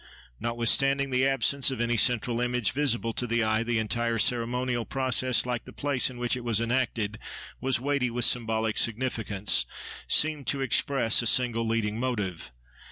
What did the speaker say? Notwithstanding the absence of any central image visible to the eye, the entire ceremonial process, like the place in which it was enacted, was weighty with symbolic significance, seemed to express a single leading motive.